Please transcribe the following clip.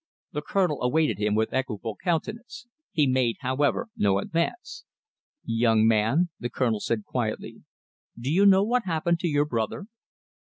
The Colonel awaited him with equable countenance. He made, however, no advance. "Young man," the Colonel said quietly, "do you know what happened to your brother?"